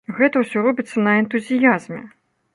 Гэта ўсё робіцца на энтузіязме!